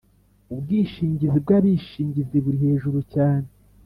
ubwishingizi bw ‘abishingizi burihejuru cyane.